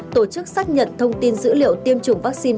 tổ chức xác nhận thông tin dữ liệu tiêm chủng vaccine